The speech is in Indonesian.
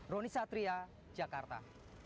roni satria jakarta